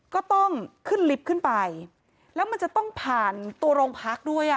ก็ต้องขึ้นลิฟต์ขึ้นไปแล้วมันจะต้องผ่านตัวโรงพักด้วยอ่ะ